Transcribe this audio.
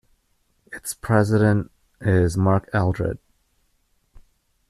Its president is Mark Alldritt.